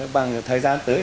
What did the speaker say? bằng thời gian tới